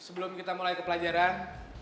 sebelum kita mulai ke pelajaran